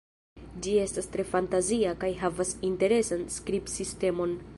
Ĝi estas tre fantazia kaj havas interesan skribsistemon.